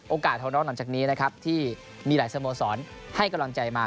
โอกาสทางนอกหน่อยจากนี้นะครับที่มีหลายสโมสรให้กำลังใจมา